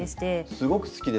すごく好きですこれ。